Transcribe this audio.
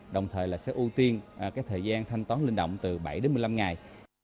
đồng thời là sẽ ưu tiên cái thời gian thanh toán linh động từ bảy đến một mươi năm ngày